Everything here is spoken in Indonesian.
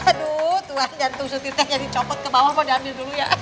aduh tuhan jantung setirnya jadi copot ke bawah mau diambil dulu ya